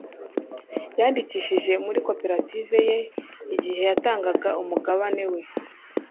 yandikishije muri koperative ye igihe yatangaga umugabane we